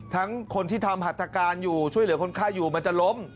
ทั้งคนที่ทำหัตถการอยู่ช่วยเหลือคนไข้อยู่มันจะล้ม